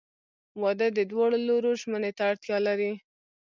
• واده د دواړو لورو ژمنې ته اړتیا لري.